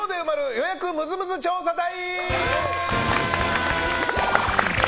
予約ムズムズ調査隊！